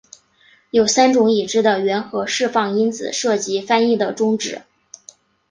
有三种已知的原核释放因子涉及翻译的终止。